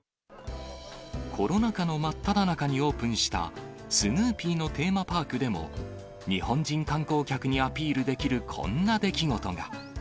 コロナ禍の真っただ中にオープンしたスヌーピーのテーマパークでも、日本人観光客にアピールできるこんな出来事が。